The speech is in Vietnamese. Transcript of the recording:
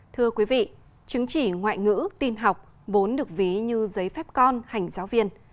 thưa quý vị chứng chỉ ngoại ngữ tin học vốn được ví như giấy phép con hành giáo viên